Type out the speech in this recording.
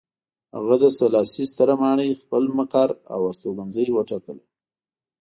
هغه د سلاسي ستره ماڼۍ خپل مقر او استوګنځی وټاکله.